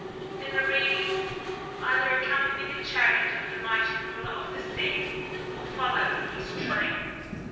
The Nereides either accompany the chariot of the mighty ruler of the sea, or follow in his train.